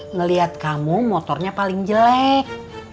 ngelihat kamu motornya paling jelek